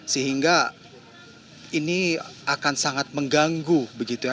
sehingga ini akan sangat mengganggu begitu ya